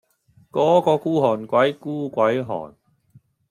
果個孤寒鬼孤鬼寒